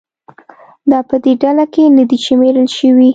دا په دې ډله کې نه دي شمېرل شوي